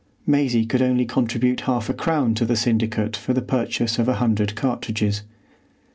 Maisie could only contribute half a crown to the syndicate for the purchase of a hundred cartridges.